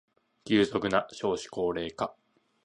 急速な少子高齢化